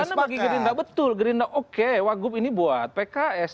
karena bagi gerindas betul gerindas oke wagub ini buat pks